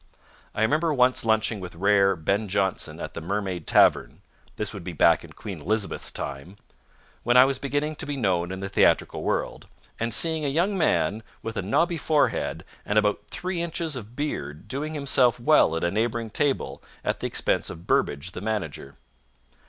I remember once lunching with rare Ben Jonson at the Mermaid Tavern this would be back in Queen Elizabeth's time, when I was beginning to be known in the theatrical world and seeing a young man with a nobby forehead and about three inches of beard doing himself well at a neighboring table at the expense of Burbage the manager.